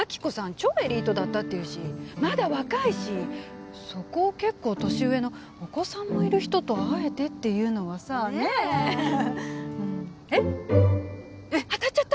超エリートだったっていうしまだ若いしそこを結構年上のお子さんもいる人とあえてっていうのはさねえ・ねええっ当たっちゃった！？